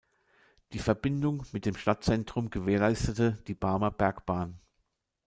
Die Verbindung mit dem Stadtzentrum gewährleistete die Barmer Bergbahn.